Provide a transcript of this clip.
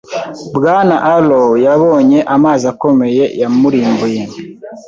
Bwana Arrow yabonye amazi akomeye yamurimbuye.